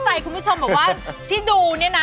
ใจคุณผู้ชมบอกว่าที่ดูเนี่ยนะ